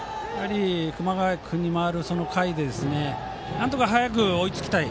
熊谷君に回る回でなんとか早く追いつきたい。